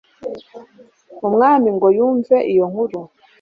umwami ngo yumve iyo nkuru